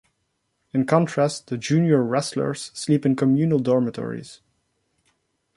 In contrast, the junior wrestlers sleep in communal dormitories.